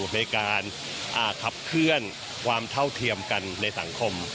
ในการขับเคลื่อนความเท่าเทียมกันในสังคม